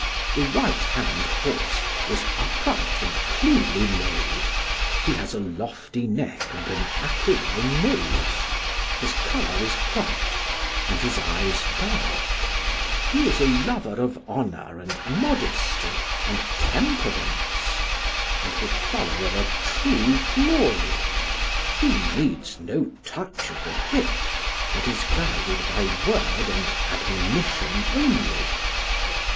The right hand horse is upright and cleanly made; he has a lofty neck and an aquiline nose; his colour is white, and his eyes dark; he is a lover of honour and modesty and temperance, and the follower of true glory; he needs no touch of the whip, but is guided by word and admonition only.